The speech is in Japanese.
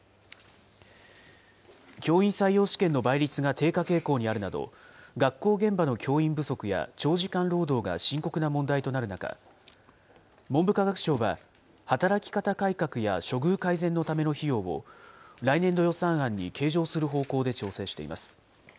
教員採用試験の倍率が低下傾向にあるなど、学校現場の教員不足や長時間労働が深刻な問題となる中、文部科学省は働き方改革や処遇改善のための費用を来年度予算案に計上する方向で調整しています。